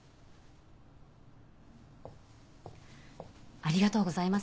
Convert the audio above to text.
ありがとうございます。